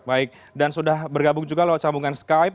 baik dan sudah bergabung juga lewat sambungan skype